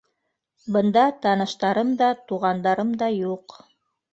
Бында таныштарым да, туғандарым да юҡ.